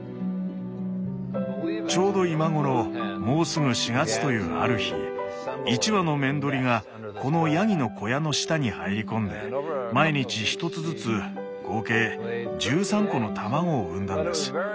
ちょうど今頃もうすぐ４月というある日１羽のメンドリがこのヤギの小屋の下に入り込んで毎日１つずつ合計１３個の卵を産んだんです。